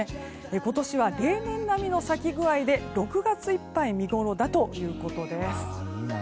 今年は例年並みの咲き具合で６月いっぱい見ごろだということです。